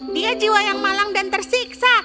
dia jiwa yang malang dan tersiksa